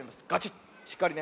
しっかりね。